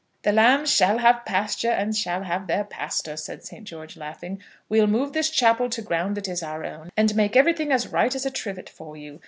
"The lambs shall have pasture and shall have their pastor," said St. George, laughing. "We'll move this chapel to ground that is our own, and make everything as right as a trivet for you.